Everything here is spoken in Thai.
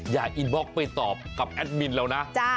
อินบล็อกไปตอบกับแอดมินเรานะ